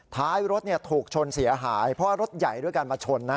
ท้ายรถถูกชนเสียหายเพราะว่ารถใหญ่ด้วยการมาชนนะ